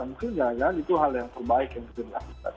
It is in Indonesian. mungkin jelas jelas itu hal yang terbaik yang terjadi